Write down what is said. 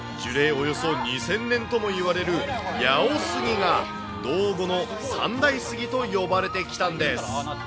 およそ２０００年ともいわれる八百杉が、島後の三大杉と呼ばれてきたんです。